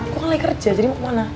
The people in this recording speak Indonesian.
gua kan lagi kerja jadi mau kemana